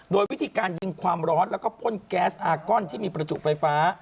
โดยวิธีการยิงความร้อนแล้วก็พ่นแก๊สอากอนที่มีประจุไฟฟ้า